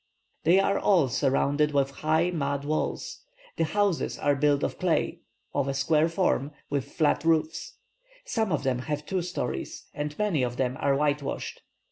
They are all surrounded with high mud walls; the houses are built of clay, of a square form, with flat roofs; some of them have two stories, and many of them are whitewashed.